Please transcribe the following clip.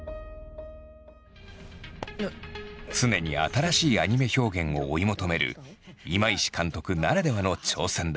常に新しいアニメ表現を追い求める今石監督ならではの挑戦だ。